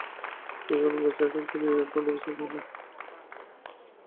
রোগী এখনো বেঁচে আছেন দেখে তিনি অত্যন্ত বিস্মিত হলেন।